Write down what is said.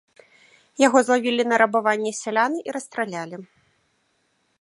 Яго злавілі на рабаванні сялян і расстралялі.